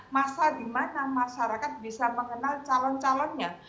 masa dimana masyarakat bisa mengenal calon calonnya